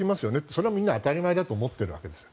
それはみんな当たり前だと思っているわけです。